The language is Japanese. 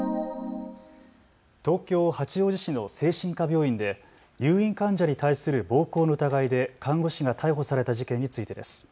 東京八王子市の精神科病院で入院患者に対する暴行の疑いで看護師が逮捕された事件についてです。